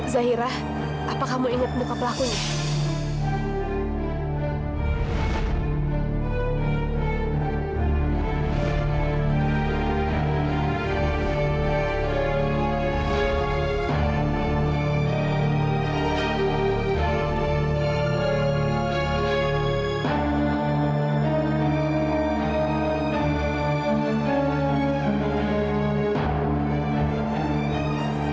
zaira apa kamu ingat muka pelakunya